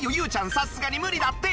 さすがに無理だって！